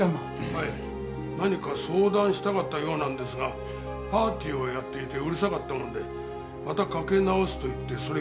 はい何か相談したかったようなんですがパーティーをやっていてうるさかったもんでまたかけ直すと言ってそれっきり。